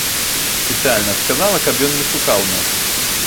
Спецыяльна сказала, каб ён не шукаў нас.